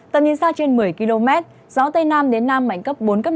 tầm nhìn xa trên một mươi km gió tây nam đến nam mạnh cấp bốn năm